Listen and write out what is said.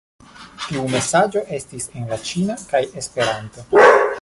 Tiu mesaĝo estis en la ĉina kaj Esperanto.